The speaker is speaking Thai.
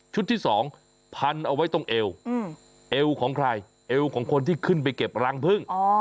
ที่สองพันเอาไว้ตรงเอวเอวของใครเอวของคนที่ขึ้นไปเก็บรังพึ่ง